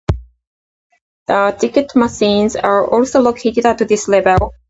The ticket machines are also located at this level.